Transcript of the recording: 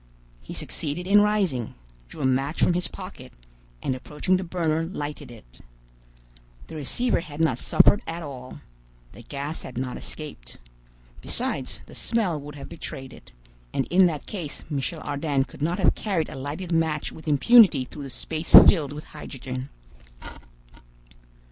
He succeeded in rising, drew a match from his pocket, and approaching the burner lighted it. The receiver had not suffered at all. The gas had not escaped. Besides, the smell would have betrayed it; and in that case Michel Ardan could not have carried a lighted match with impunity through the space filled with hydrogen.